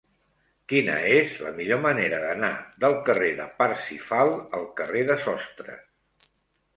Quina és la millor manera d'anar del carrer de Parsifal al carrer de Sostres?